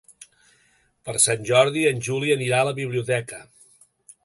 Per Sant Jordi en Juli anirà a la biblioteca.